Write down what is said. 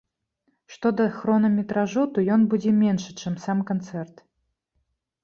Што да хронаметражу, то ён будзе меншы, чым сам канцэрт.